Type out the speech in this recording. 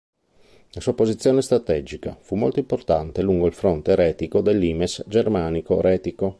La sua posizione strategica fu molto importante lungo il fronte retico del limes germanico-retico.